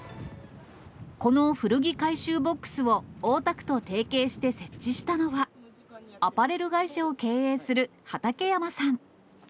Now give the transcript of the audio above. この古着回収ボックスを大田区と提携して設置したのは、アパレル会社を経営する畠山さん。